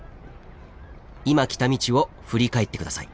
今来た道を振り返って下さい。